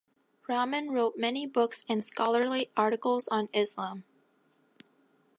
Rahman wrote many books and scholarly articles on Islam.